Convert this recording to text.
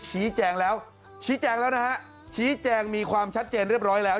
ชี้แจงแล้วมีความชัดเจนเรียบร้อยแล้ว